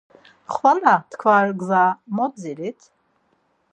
Xvala tkva gza motzirit.